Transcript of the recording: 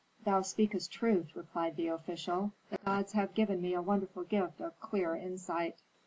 "Thou speakest truth," replied the official. "The gods have given me a wonderful gift of clear insight."